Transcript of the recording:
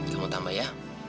kamu tambah ya